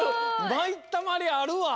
まいったまりあるわ。